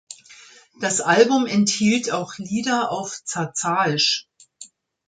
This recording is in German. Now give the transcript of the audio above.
Das Album enthielt auch Lieder auf Zazaisch.